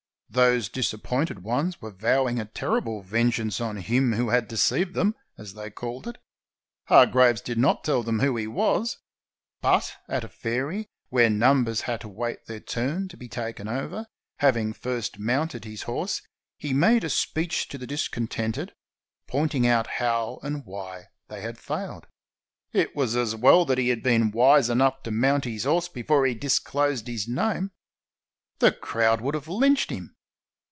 Those disappointed ones were vowing a terrible vengeance on him who had de ceived them, as they called it. Hargraves did not tell them who he was. But at a ferry, where numbers had to wait their turn to be taken over, having first mounted his horse, he made a speech to the discontented, pointing out how and why they had failed. It was as well that he had been wise enough to mount his horse before he disclosed his name. The crowd would have lynched him.